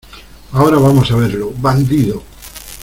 ¡ ahora vamos a verlo, bandido!